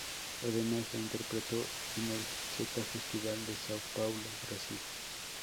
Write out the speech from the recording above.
Además, la interpretó en el Z Festival en Sao Paulo, Brasil.